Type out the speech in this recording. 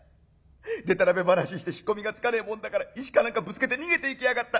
でたらめ話して引っ込みがつかねえもんだから石か何かぶつけて逃げていきやがった。